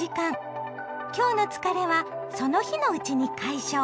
今日の疲れはその日のうちに解消！